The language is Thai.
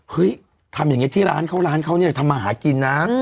ทำอย่างนี้ที่ร้านเขาร้านเขาเนี่ยทำมาหากินนะ